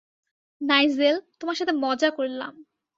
Nigel, তোমার সাথে মজা করলাম।